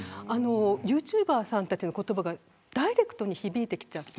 ユーチューバーさんたちの言葉がダイレクトに響いてきちゃって。